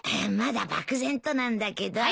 まだ漠然となんだけど。